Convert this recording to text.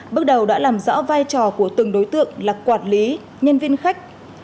bước đầu đã làm rõ vai trò của từng đối tượng là quản lý nhân viên khách